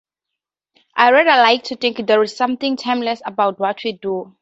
I rather like to think there is something timeless about what we do.